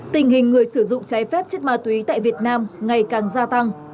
tình hình người sử dụng trái phép chất ma túy tại việt nam ngày càng gia tăng